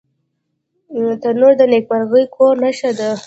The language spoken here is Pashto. تنور د نیکمرغه کور نښه ده